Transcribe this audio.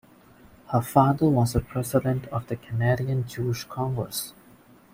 Her father was a president of the Canadian Jewish Congress.